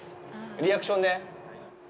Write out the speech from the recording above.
リアクションで。